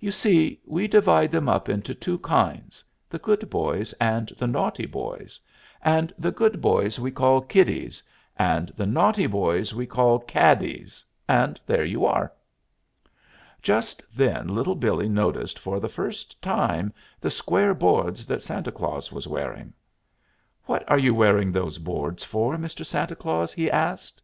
"You see, we divide them up into two kinds the good boys and the naughty boys and the good boys we call kiddies, and the naughty boys we call caddies, and there you are." Just then Little Billee noticed for the first time the square boards that Santa Claus was wearing. "What are you wearing those boards for, Mr. Santa Claus?" he asked.